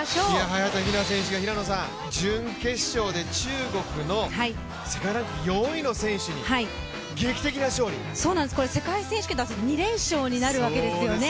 早田ひな選手が、準決勝で中国の世界ランク４位の選手に世界選手権２連勝になるわけですよね。